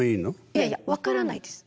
いやいや分からないです。